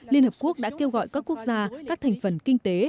liên hợp quốc đã kêu gọi các quốc gia các thành phần kinh tế